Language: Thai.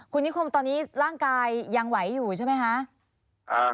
คุณนิคมตอนนี้ร่างกายยังไหวอยู่ใช่ไหมคะ